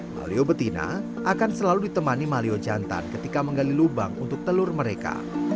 malio betina akan selalu ditemani malio jantan ketika menggali lubang untuk telur mereka